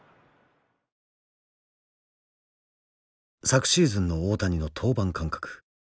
昨シーズンの大谷の登板間隔。